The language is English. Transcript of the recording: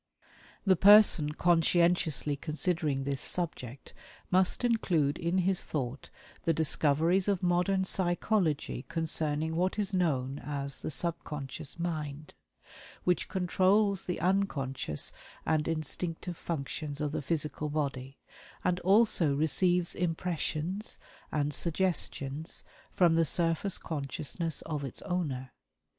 The person conscientiously considering this subject must include in his thought the discoveries of modern psychology concerning what is known as the "subconscious mind," which controls the unconscious and instinctive functions of the physical body, and also receives impressions and suggestions from the surface consciousness of its owner.